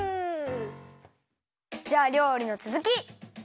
じゃありょうりのつづき！